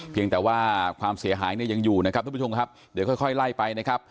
เพียงแต่ว่าความเสียหายเนี่ยยังอยู่นะครับทุกผู้ชมครับเดี๋ยวค่อยไล่ไปนะครับ